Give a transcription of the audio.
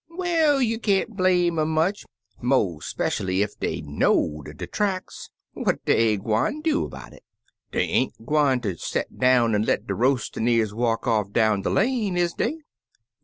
Well, you can't blame um much, mo' speshually ef dey know'd de tracks. What dey gwine do 'bout it? Dey ain't gwineter des set down an' let der roas'nVcars walk off down de lane, is dey?'